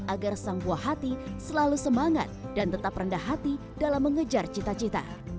agar sang buah hati selalu semangat dan tetap rendah hati dalam mengejar cita cita